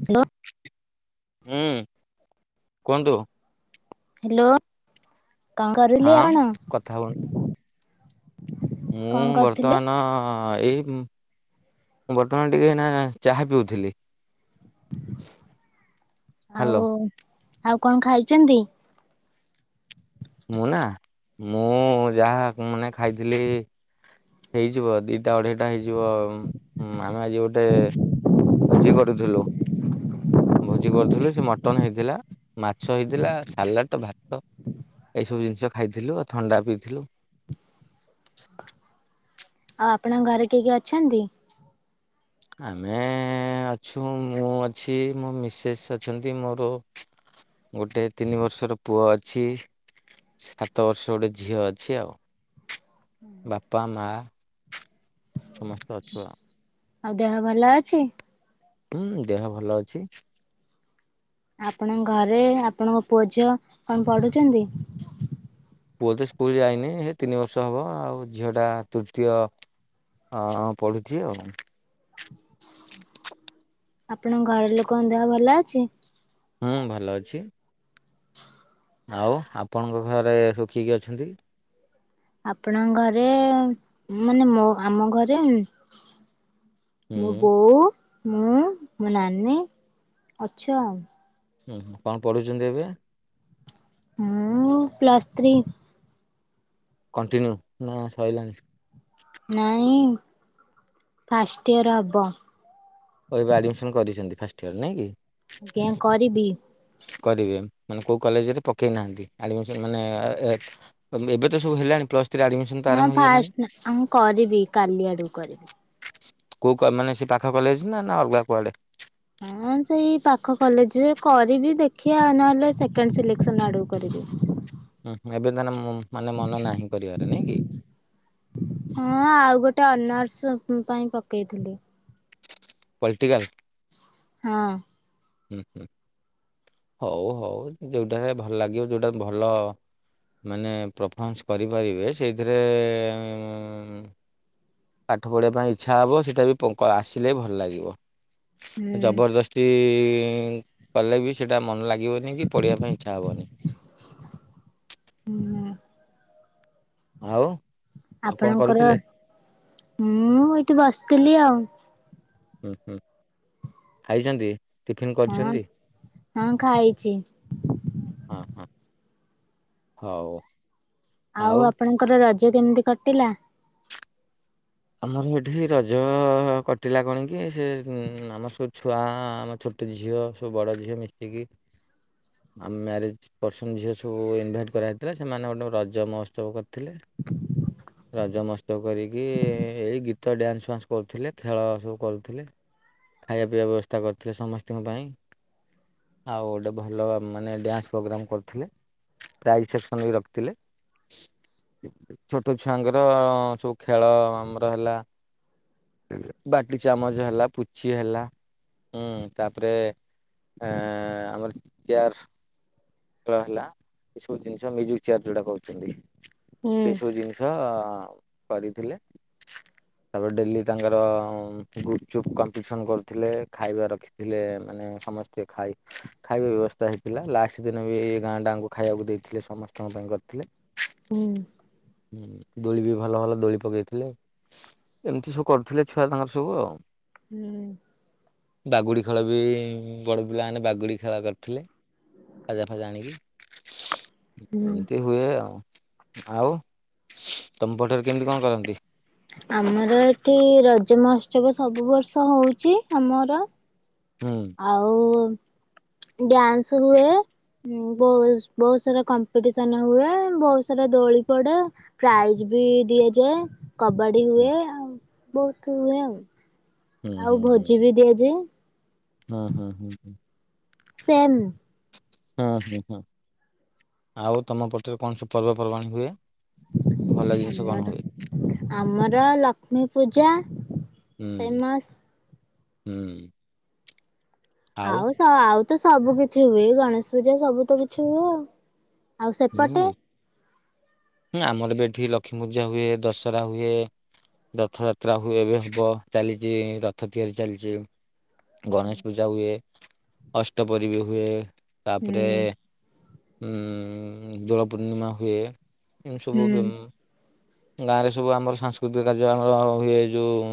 Hello, ହୁଁ କୁହନ୍ତୁ, hello କଁ କରିଲି ହଁ ଆପଣ? କଥା ହଉନି। ମୁଁ କଣ କରୁଥିଲେ? ବର୍ତ୍ତମାନ, ହଁ ଏଇ ମୁ ବର୍ତ୍ତମାନ ଟିକେ ଏଇନା ଚାହା ପିଉଥିଲି। ହ୍ୟାଲୋ ଆଉ-ଆଉ କଣ ଖାଉଛନ୍ତି? ମୁଁ ନା ମୁଁ ଯାହା ମାନେ ଖାଇଥିଲି, ହେଇ ଯିବ ଦିଟା ଅଢେଇଟା ହେଇଯିବ ଉଁ ଆମେ ଆଜି ଗୋଟେ, ଭୋଜି କରୁଥିଲୁ, ଭୋଜି କରୁଥିଲୁ ସେ ମଟନ ହେଇଥିଲା ମାଛ ହେଇଥିଲା ସାଲାଡ ତ ଭାତ, ଏଇସବୁ ଜିନିଷ ଖାଇଥିଲୁ ଆଉ ଥଣ୍ଡା ପିଇଥିଲୁ, ଆଉ ଆପଣଙ୍କ ଘରେ କିଏ-କିଏ ଅଛନ୍ତି? ଆମେ ଅଛୁ ମୁଁ ଅଛି ମୋ ମିସେସ୍ ଅଛନ୍ତି ମୋର, ଗୋଟେ ତିନି ବର୍ଷର ପୁଅ ଅଛି, ସାତ ବର୍ଷ ଗୋଟେ ଝିଅ ଅଛି ଆଉ, ବାପା ମା ସମସ୍ତେ ଅଛ ଆ, ଆଉ ଦେହ ଭଲ ଅଛି, ହୁଁ ଦେହ ଭଲ ଅଛି, ଆପଣଙ୍କ ଘରେ ଆପଣଙ୍କ ପୁଅ ଝଅ କଣ ପଢ଼ୁଛନ୍ତି? ପୁଅ ତ ସ୍କୁଲ ଯାଇନି ସେ ତିନି ବର୍ଷ ହବ ଆଉ ଝିଅ ଟା ତୃତୀୟ, ହଁଁ ପଢ଼ୁଛି ଆଉ, ଆପଣଙ୍କ ଘର ଲୋକଙ୍କ ଦେହ ଭଲ ଅଛି? ହୁଁ ଭଲ ଅଛି। ଆଉ ଆପଣଙ୍କ ଘରେ ହୁଁ କିଏ-କିଏ ଅଛନ୍ତି? ଆପଣଙ୍କ ଘରେ ମାନେ ମୋ ଆମ ଘରେ, ହୁଁ ମୋ ବୋଉ ମୁଁ ମୋ ନାନୀ ଅଛ, ହୁଁ କଁ ପଢ଼ୁଛନ୍ତି ଏବେ? ମୁଁ ପ୍ଲସ୍ ଥ୍ରୀ, କଣ୍ଟିନ୍ୟୁ ନା ସରିଲାଣି? ନାଇଁ ଫାଷ୍ଟ୍ ଟିୟର୍ ହବ, ଏବେ ଆଡ଼ମିଶନ କରିଛନ୍ତି ଫାଷ୍ଟ ଟିୟର ନାଇଁ କି? ଆଜ୍ଞା କରିବି, କରିବେ ମାନେ କୋଉ କଲେଜରେ ପକେଇ ନାହାନ୍ତି ଆଡ଼୍ ମିସନ୍ ମାନେ ଏ-ଏ-ଏ, ଏବେ-ଏବେ ତ ସବୁ ହେଲାଣି ପ୍ଲସ୍ ଥ୍ରୀ ଆଡ଼ମି, ହଁ ଫାଷ୍ଟ ନା ଆଉ ମୁଁ କରିବି କାଲି ଆଡ଼ୁ କରିବି, କୋଉ କମ୍ ମାନେ ସେ ପାଖ କଲେଜ ନା-ନା ଅଲଗା କୁଆଡ଼େ, ହଁ ସେଇ ପାଖ କଲେଜରେ କରିବି ଦେଖିବା ନହେଲେ ସେକେଣ୍ଡ ସିଲେକ୍ସନ ଆଡକୁ କରିବି, ହୁଁ ଏବେ ତାର ମୋ ମାନେ ମନ ନାହିଁ କରିବାରେ ନାଇଁ କି, ହଁ ଆଉ ଗୋଟେ ଅନର୍ସ ହୁଁ ପାଇଁ ପକେଇଥିଲି, ପଲିଟିକାସ୍? ହଁ। ହୁଁ ହୁଁ ହଉ ହଉ ଯୋଉଟାରେ ଭଲ ଲାଗିବ ଯୋଉଟା ଭଲ ମାନେ ପ୍ରଫମାସ କରିପାରିବେ ସେଇଥିରେ ପାଠ ପଢ଼ିବା ପାଇଁ ଇଚ୍ଛା ହବ ସେଇଟା ବି ପଙ୍କ ଆସିଲେ ଭଲ ଲାଗିବ। ହୁଁ ଜବରଦସ୍ତି କଲେ ବି ସେଟା ମନ ଲାଗ ଲାଗିବନି ପଢିବା ପାଇଁ ଇଚ୍ଛା ହବନି। ହୁଁ, [inaudible] ଆଉ ଆଉ କଣ ଆପଣଙ୍କର କରୁଥିଲେ? ମୁଁ ଏଇଠି ବସିଥିଲି ଆଉ। ହୁଁ ହୁଁ ଖାଇଛନ୍ତି? ଟିଫନ୍ ହଁ କରିଛନ୍ତି? ହଁ ଖାଇଛି। ହଁ ହ ହଉ। ଆଉ ଆପଣଙ୍କର ରଜ କେମିତି କଟିଲା? ଆମର ଏଠି ସେଇ ରଜ କଟିଲା କଣ କି ସେ ଆମର ସବୁ ଛୁଆ ଆମଛ ଟେ ଝିଅ ସବୁ ବଡ ଝିଅ ମିଶିକି [inaudible] ଆମ ମ୍ୟାରେଜ ଅଛନ୍ତି ଝିଅ ସବୁ ଇନଭାଇଟ କରାହେଇଥିଲା ସେମାନେ ଗୋଟେ ରଜ ମହୋତ୍ସବ କରିଥିଲେ। ରଜ ମହୋତ୍ସବ କରିକି ଏଇ ଗୀତ ଡ୍ୟାନ୍ସ ଫାନ୍ସ କରୁଥିଲେ ଖେଳ ସବୁ କରୁଥିଲେ। ଖାଇବା ପିଇବା ବ୍ୟବସ୍ଥା କରିଥିଲେ ସମସ୍ତିଙ୍କ ପାଇଁ। ଆଉ ଗୋଟେ ଭଲ ମାନେ ଡ୍ୟାନ୍ସ ପ୍ରୋଗ୍ରାମ କରିଥିଲେ। ପ୍ରାଇ ସେସନ ବି ରଖିଥିଲେ। ଛୋଟ ଛୁଆଙ୍କର ସବୁ ଖେଳ ଆମର ହେଲା ବାଟି ଚାମଚ ହେଲା ପୁଚି ହେଲା ହୁଁ ତାପରେ ଏଁ ଆମର ଚେୟାର ହେଲା ଏ ସବୁ ଜିନିଷ ମ୍ୟୁଜିକ ଚିଆର୍ ଯୋଉଟା କହୁଛନ୍ତି। ହୁଁ ଏଇସବୁ ଜିନିଷ କରିଥିଲେ। ତାପରେ ଡେଲି ତାଙ୍କର ଗୁପ ଚୁପ୍ କମ୍ପିଟିସନ କରୁଥିଲେ ଖାଇବା ରଖି ଥିଲେ ମାନେ ସମସ୍ତେ ଖାଇ ଖାଇବା ବ୍ୟବସ୍ଥା ହେଇଥିଲା ଲାଷ୍ଟ ଦିନ ବି ଏ ଗାଁ ଡାଙ୍କୁ ଖାଇବାକୁ ଦେଇଥିଲେ ସମସ୍ତଙ୍କ ପାଇଁ କରିଥିଲେ। ହୁଁ। ହୁଁ, ଦୋଳି ବି ଭଲ ଭଲ ଦୋଳି ପକେଇଥିଲେ। ଏମତି ସବୁ କରୁଥିଲେ ଛୁଆ ତାଙ୍କର ସବୁ ଆଉ। ହୁଁ। ବାଗୁଡି ଖେଳ ବି ବଡ ପିଲାମାନେ ବାଗୁଡି ଖେଳ କରିଥିଲେ। ବାଜା ଫାଯା ଆଣିକି। ହୁଁ ଏମତି ହୁଏ ଆଉ, ଆଉ ତମ ପଟରେ କେମିତି କଁ କରନ୍ତି? ଆମର ଏଠି ରଜ ମହୋତ୍ସବ ସବୁ ବର୍ଷ ହଉଚି ଆମର। ହୁଁ। ଆଉ ଡ୍ୟାନ୍ସ ହୁଏ। ବହୁ ବହୁତ ସାରା କମ୍ପିଟିସନ ହୁଏ, ବହୁତ ସାରା ଦୋଳି ପଡେ। ପ୍ରାଇଜ ବି ଦିଆଯାଏ, କବାଡି ହୁଁ ହୁଏ, ଆ ବହୁତ ହୁଏ ଆଉ। ହୁଁ ଆଉ ହୁଁ ହୁଁ ଭୋଜି ବି ଦିଆଯାଏ ହୁଁ ହୁଁ ହୁଁ ହୁଁ। ସେନ୍। ହଁ, ହଁ, ହଁ ଆଉ ତମ ପଟରେ କଣ ସବୁ ପର୍ବପର୍ବାଣି ହୁଏ? ଭଲ ଜିନିଷ କଣ ଆମର ହୁଏ? ଆମର ଲକ୍ଷ୍ମୀ ପୂଜା ହୁଁ, ଫେମସ୍। ହୁଁ। ଆଉ ସ ଆଉ ତ ସବୁ କିଛି ହୁଏ। ଏଇ ଗଣେଶ ପୂଜା ସବୁ ତ କିଛି ହୁଏ ଆଉ। ଆଉ ସେପଟେ ହୁଁଁ, ନା ଆମର ବି ଏଠି ଲକ୍ଷ୍ମୀ ପୂଜା ହୁଏ। ଦଶହରା ହୁଏ। ରଥଯାତ୍ରା ହଏ। ଏବେ ହବ ଚାଲିଛି ରଥ ତିଆରି ଚାଲିଛି। ହୁଁ ଗଣେଶ ପୂଜା ହୁଏ। ଅଷ୍ଟପରି ବୀ ହୁଏ। ତାପରେ ହୁଁ ଉଁ ଦୋଳ ପୂର୍ଣ୍ଣିମା ହୁଏ। ଏ ସବୁ ଗାଁରେ ସବୁ ଆମର ସାଂସ୍କୃତିକ କାର୍ଯ୍ୟ ଆମର ହୁଏ। ଯୋଉ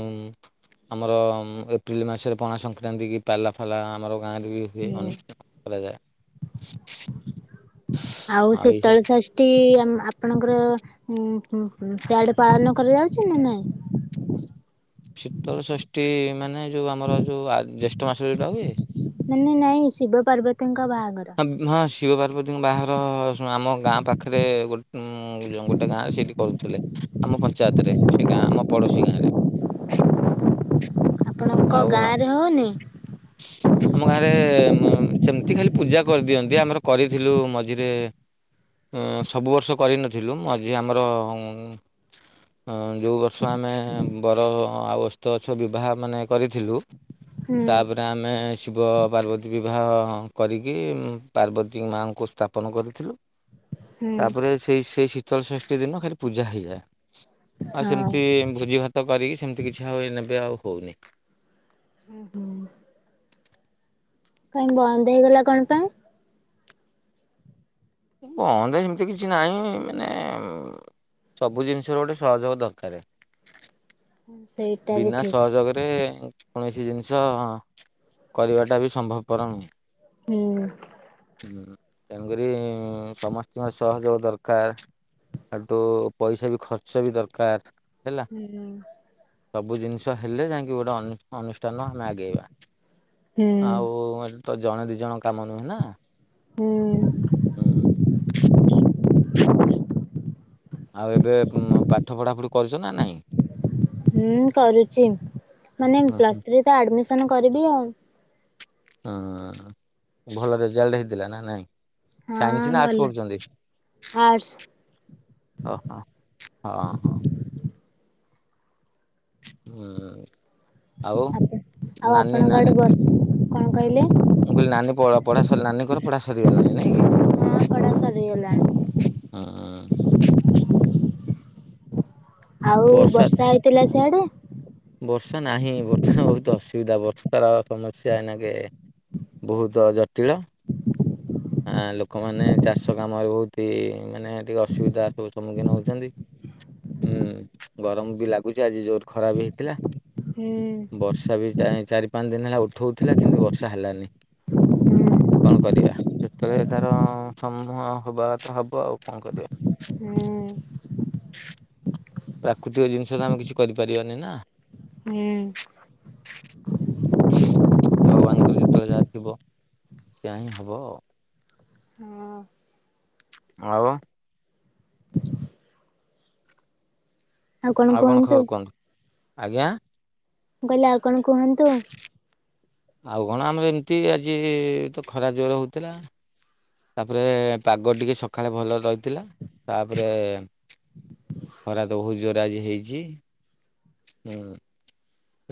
ଆମର ଏପ୍ରିଲ ମାସରେ ପଣା ଶକ ସଂକ୍ରାନ୍ତି କି ପାଲା ଫାଲା ଆମର ଗାଁରେ ବି ହୁଏ। ହୁଁ। ଅନୁଷ୍ଠାନ କରାଯାଏ। ଆଉ ଏଇ ଯୋଉ ଶୀତଳ ଷଷ୍ଠୀ ଶଷ୍ଟୀ ଆମ ଆପଣଙ୍କର ଉଁ ସେଆଡେ ପାଳନ କରାଯାଉଛି ନା ନାଇଁ? ଶୀତଳ ଷଷ୍ଠୀ ମାନେ ଯୋଉ ଆମର ଯୋଉ ଆ ଜ୍ୟେଷ୍ଠ ମାସ ରେ ଯୋଉଟା ହୁଏ। ମାନେ ନାଇଁ ଶିବ ପାର୍ବତୀଙ୍କ ବାହାଘର। ହଁ, ଶିବ ପାର୍ବତୀଙ୍କ ବାହାଘର ଆମ ଗାଁ ପାଖରେ ଗୋ ଗୋଟେ ଗାଁ ସେଇଠି କରୁଥିଲେ। ଆମ ପଞ୍ଚାୟତ ରେ ସେ ଗାଁ, ଆମ ପଡୋଶୀ ଗାଁ ରେ। [unintelligible] ଆଉ, ଆ ଗାଁରେ ହଉନି? ଆମ ଗାଁରେ ମ୍ ସେମତି ଖାଲି ପୂଜା କରିଦିଅନ୍ତି। ଆମର କରିଥିଲୁ ମଝିରେ ଉଁ ସବୁ ବର୍ଷ କରିନଥିଲୁ। ମୁଁ ଆଜି ଆମର ଯୋଉଁ ବର୍ଷ ଆମେ ବର ଆଉ ଓସ୍ତ ଗଛ ବିବାହ ମାନେ କରିଥିଲୁ ଁ [unintelligible] ତାପରେ ଆମେ ଶିବ ପାର୍ବତୀ ବିବାହ କରିକି। ପାର୍ବତୀ ମାଙ୍କୁ ସ୍ଥାପନ କରିୁଥିଲୁ। ହୁଁ। ତାପରେ ସେଇ ସେଇ ଶୀତଳଷଷ୍ଠୀ ଦିନ ଖାଲି ପୂଜା ହେଇଯାଏ। ଆଉ ହଁ ସେମିତି ଭୋଜି ଭାତ କରିକି, ସେମିତି କିଛି ଆଉ ଏବେ ଆଉ ହଉନି। ହୁଁ। କାଇଁ ବନ୍ଦ ହେଇଗଲା କଣ ପାଇଁ? ବନ୍ଦ ଏମିତି କିଛି ନାହିଁ। ମାନେ ସବୁ ଜିନିଷ ର ଗୋଟେ ସହଯୋଗ ଦରକାର। ସେଇ ବିନା ସହଯୋଗରେ କୌଣସି ଜିନିଷ କରିବାଟା ବି ସମ୍ଭବପର ନୁହେଁ। ହୁଁ। ତେଣୁକରି ସମସ୍ତଙ୍କ ସହଯୋଗ ଦରକାର। ଆଉ ତୁ ପଇସା ବି ଖର୍ଚ୍ଚ ବି ଦରକାର। ହେଲା। ହୁଁ ସବୁ ଜିନିଷ ହେଲେ ଯାଇକି ଗୋଟେ ଅନୁ ଅନୁଷ୍ଠାନ ଆମେ ଆଗେଇବା। ହୁଁ ଆଉ ଏଠି ତ ଜଣେ ଦି ଜଣ କାମ ନୁହେଁ ନା। ହୁଁ। ହୁଁ ଆଉ ଏବେ ପାଠ ପଢାପଢି କରିଛ ନା ନାଇଁ। ହୁଁ, କରୁଛି। ମାନେ ହୁଁ ପ୍ଲସ୍ ହୁଁ ଥ୍ରୀରେ ତ ଆଡମିସନ କରିବି ଆଉ। ହୁଁ, ଭଲ ରେଜାଲ୍ଟ ହେଇଥିଲା ନା ନାଇଁ? ହଁ ସାଇନ୍ସ ନା ଭଲ ଆର୍ଟସ ପଢୁଛନ୍ତି? ଆର୍ଟସ। ଓ ହୋ ହଁ, ହଁ। ହଁ। ଆଜ୍ଞା ଆଉ ଆପଣଙ୍କ ନାନୀ ଆଡେ ବର୍ଷ କଣ କଇଲେ? ମୁଁ କଇଲି ନାନୀ ପ ପଢ଼ା ସଲ୍ ନାନୀଙ୍କର ପଢା ସରିଗଲାଣି ନାଇଁ କି? ପଢ଼ା ସରିଗଲାଣି। ହୁଁ। ଆଉ ବର୍ଷା ହେଇଥିଲା ସିଆଡେ? ବର୍ଷା ନାହିଁ ବହୁତ ଅସୁବିଧା ବର୍ଷାର ସମସ୍ୟା ଏନାକେ। ବହୁତ ଜଟିଳ। ଆଁ ଲୋକମାନେ ଚାଷ କାମରେ ବହୁତୀ ମାନେ ଟିକେ ଅସୁବିଧା ସବୁ ସମ୍ମୁଖୀନ ହଉଛନ୍ତି। ହୁଁ ଗରମ ବି ଲାଗୁଛି ଆଜି ଜୋର ଖରା ବି ହେଇଥିଲା। ହୁଁ। ବର୍ଷା ବି କାଇଁ ଚାରି ପାଞ୍ଚ ଦିନ ହେଲା ଉଠଉଥିଲା କିନ୍ତୁ ବର୍ଷା ହେଲାନି। କଣ କରିବା ଯେତେବେଳେ ତାର ସମୂହ ହବା କଥା ହବ ଆଉ କଣ କରିବା। ହୁଁ। ପ୍ରାକୃତିକ ଜିନିଷ ତ, ଆମେ କିଛି କରିପାରିବାନି ନା? ହୁଁ। ଭଗବାନଙ୍କର ଯେତେବେଳେ ଯାହା ଥିବ, ସେୟା ହିଁ ହବ ଆଉ। ହଁ। ଆଉ? [inaudible] ଆଉ କଣ ଖବର କୁହନ୍ତୁ? ଆଜ୍ଞା। ମୁଁ କଇଲି, ଆଉ କଣ କୁହନ୍ତୁ? ଆଉ କଣ, ଆମର ଏମିତି ଆଜି ତ ଖରା ଜୋର୍ ହଉଥିଲା। ତାପରେ, ପାଗ ଟିକେ ସକାଳେ ଭଲ ରହିଥିଲା। ତାପରେ ଖରା ତ ବହୁତ ଜୋରେ ଆଜି ହେଇଛି। ହୁଁ।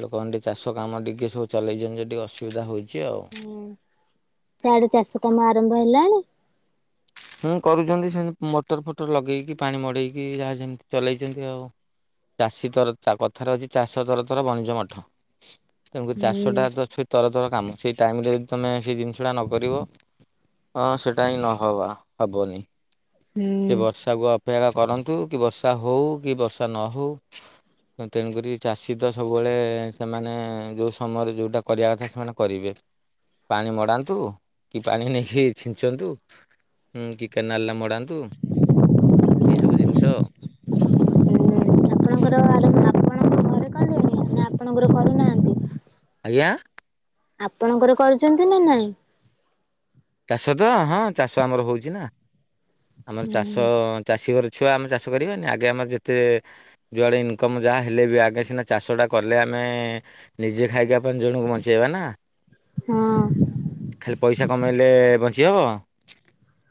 ଲୋକମାନେ ଟିକେ ଚାଷ କାମ ଟିକେ ସବୁ ଚଲେଇଛନ୍ତି ଯେ, ଟିକେ ଅସୁବିଧା ହଉଛି ଆଉ। ହୁଁ। ସେଆଡେ ଚାଷ କାମ ଆରମ୍ଭ ହେଲାଣି? ହୁଁ, କରୁଛନ୍ତି ସେମିତି ମୋଟର-ଫୋଟର ଲଗେଇକି, ପାଣି ମଡେଇକି, ଯାହା ଯେମିତି ଚଲେଇଛନ୍ତି ଆଉ। ଚାଷୀ ତର କଥାରେ ଅଛି, ଚାଷ ତର ତର ବଣିଜ ମଠ। ତେଣୁକରି ଚାଷ ଟା ଅଛି, ତର ତର କାମ। ସେଇ ଟାଇମରେ ଯଦି ତୁମେ ସେଇ ଜିନିଷଟା ନ କରିବ, ହଁ, ସେଇଟା ହିଁ ନ ହବା। ହବନି। ସେ ବର୍ଷାକୁୁ ପେରା କରନ୍ତୁ କି, ବର୍ଷା ହଉ କି ବର୍ଷା ନ ହଉ। ତେଣୁକରି ଚାଷୀ ତ ସବୁବେଳେ, ସେମାନେ ଯୋଉ ସମୟରେ ଯୋଉଟା କରିବା କଥା, ସେମାନେ କରିବେ। ପାଣି ମଡାନ୍ତୁ କି, ପାଣି ନେଇକି ଛିଞ୍ଚନ୍ତୁ। ହୁଁ, କି କେନାଲ ରେ ମଡ଼ାନ୍ତୁ। ଏଇସବୁ ଜିନିଷ। ଆପଣଙ୍କର ଆରମ୍ଭ ଆପଣଙ୍କ ଘରେ କଲେଣି ନା ଆପଣଙ୍କର କରୁନାହାନ୍ତି? ଆଜ୍ଞା। ଆପଣଙ୍କର କରୁଛନ୍ତି ନା, ନାଇଁ? ଚାଷ ତ ହଁ, ଚାଷ ଆମର ହଉଛି ନା। ଆମର ଚାଷ ହଁ ଚାଷୀ ଘର ଛୁଆ ଆମେ, ଚାଷ କରିବାନି? ଆଗେ ଆମର ଯେତେ ଯୁଆଡ଼େ ଇନକମ୍ ଯାହା ହେଲେ ବି, ଆଗେ ସିନା ଚାଷଟା କଲେ, ଆମେ ନିଜେ ଖାଇକି ପାଞ୍ଚ ଜଣଙ୍କୁ ବଞ୍ଚେଇବା ନା ଖାଲି ପଇସା କମେଇଲେ ବଞ୍ଚି ହବ?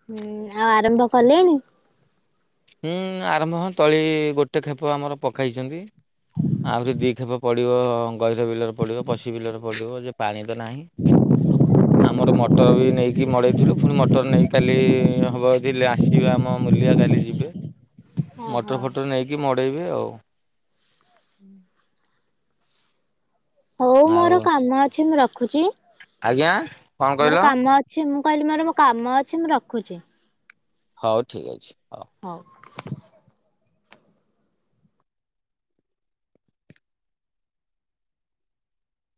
ହୁଁ, ଆଉ ଆରମ୍ଭ କଲେଣି। ହୁଁ, ଆରମ୍ଭ ହଁ ତଳି ଗୋଟେ ଖେପ ଆମର ପକାଇଛନ୍ତି। ଆହୁରି ଦିକ୍ଷେପ ପଡିବ ଗହିର ବିଲରେ ପଡିବ, ପଶି ବିଲରେ ପଡିବ ଯେ। ପାଣି ତ ନାହିଁ ଆମର ମଟର ବି ନେଇକି ମଡେଇଥିଲୁ, ପୁଣି ମଟ ମଟର ନେଇକି କାଲି ହବ ଯଦି ଆସିକି ଆମ ମୂଲିଆ କାଲି ଯିବେ। ଓହୋ ମଟର ଫଟର ନେଇକି ମଡେଇବି ଆଉ। [inaudible] ହଉ ମୋର ଆଉ କାମ ଅଛି ମୁଁ ରଖୁଛି। ଆଜ୍ଞା କଣ ମୋର କହିଲ କାମ ଅ ଛି ମୁଁ କହିଲି ମୋର କାମ ଅଛି ମୁଁ ରଖୁଛି। ହଉ ଠିକ୍ ଅଛି ହଉ। ହଁ।